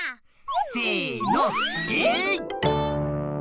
せのえい！